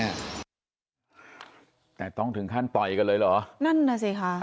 นั่นน่ะสิค่ะ